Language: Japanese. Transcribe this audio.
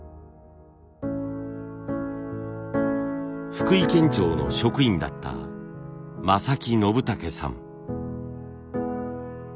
福井県庁の職員だった正木伸武さん。